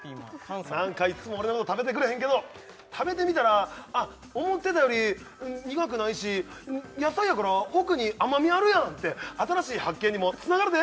なんかいつも俺のこと食べてくれへんけど食べてみたら思ってたより苦くないし野菜やから奥に甘みあるやんって新しい発見にもつながるで！